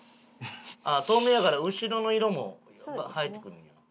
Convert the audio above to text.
透明やから後ろの色も映えてくるんや。